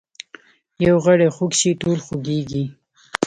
یو غړی خوږ شي ټول خوږیږي